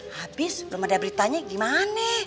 habis belum ada beritanya gimana nih